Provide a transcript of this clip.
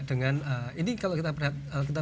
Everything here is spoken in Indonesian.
dengan ini kalau kita